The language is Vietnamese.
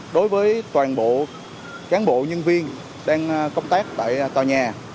đối với toàn bộ cán bộ nhân viên đang công tác tại tòa nhà